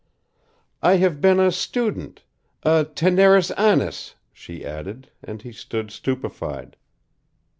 "I have been a student a TENERIS ANNIS," she added, and he stood stupefied.